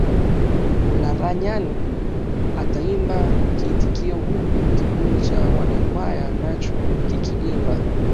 Olaranyani ataimba kiitikio huku kikundi cha wanakwaya nacho kikiimba